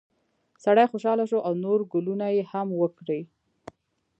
سړی خوشحاله شو او نور ګلونه یې هم وکري.